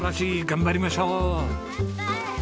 頑張りましょう！